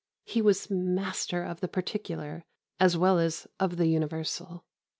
He was master of the particular as well as of the universal.